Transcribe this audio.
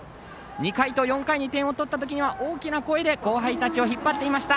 ２回と４回に点を取った時は大きな声で後輩たちを引っ張っていました。